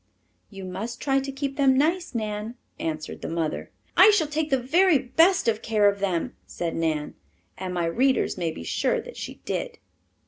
"You must try to keep them nice, Nan," answered the mother. "I shall take the very best of care of them," said Nan, and my readers may be sure that she did.